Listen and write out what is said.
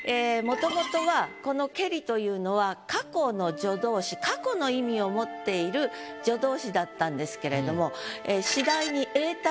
元々はこの「けり」というのは過去の助動詞過去の意味を持っている助動詞だったんですけれども。